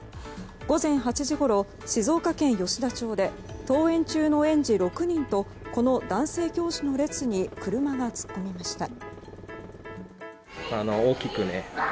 午前８時ごろ、静岡県吉田町で登園中の園児６人とこの男性教師の列に車が突っ込みました。